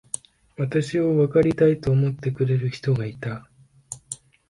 私をわかりたいと思ってくれる人がいた。